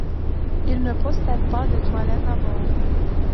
Il ne possède pas de toilettes à bord.